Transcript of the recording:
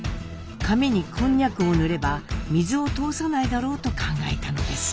紙にこんにゃくを塗れば水を通さないだろうと考えたのです。